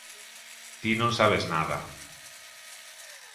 Ti non sabes nada.